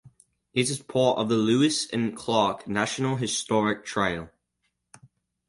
It is part of the Lewis and Clark National Historic Trail.